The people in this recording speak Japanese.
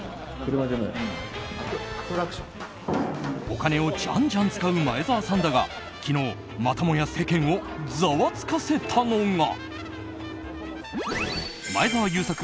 お金をじゃんじゃん使う前澤さんだが昨日、またも世間をざわつかせたのが。